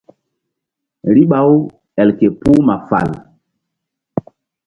Riɓa-u el ke puh ma fal.